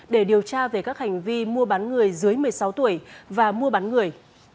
để điều tra về các hành vi mua bán người dưới một mươi sáu tuổi và mua bán người